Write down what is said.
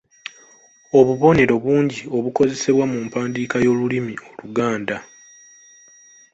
Obubonero bungi obukozesebwa mu mpandiika y’olulimi Oluganda.